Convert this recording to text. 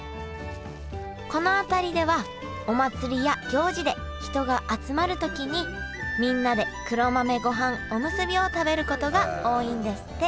この辺りではお祭りや行事で人が集まる時にみんなで黒豆ごはんおむすびを食べることが多いんですって。